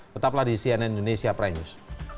tetaplah di cnn indonesia prime news